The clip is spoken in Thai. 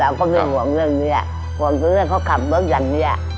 เราก็ไม่ห่วงเรื่องนี้อะห่วงเรื่องเขาขับตัวซ้ายนี้อะ